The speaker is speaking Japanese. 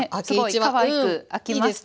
すごいかわいく開きましたね。